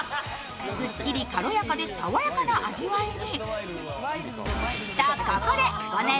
すっきり軽やかで爽やかな味わいに。